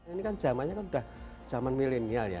ini kan zamannya kan udah zaman milenial ya